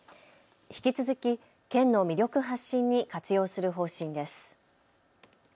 引き続き、県の魅力発信に活用する方針です。